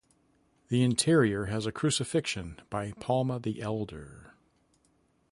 The interior has a "Crucifixion" by Palma the Elder.